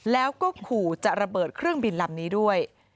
แล้วก็ขู่จะระเบิดเครื่องบินลำนี้ด้วย